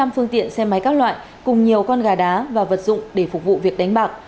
năm phương tiện xe máy các loại cùng nhiều con gà đá và vật dụng để phục vụ việc đánh bạc